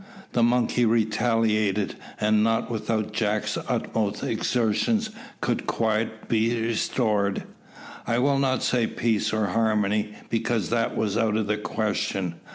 The monkey retaliated, and not without Jack's utmost exertions could quiet be restored; I will not say peace or harmony, because that was out of the question.